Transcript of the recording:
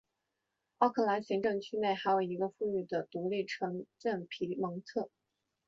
奥克兰行政区内还有一个富裕的独立城镇皮蒙特。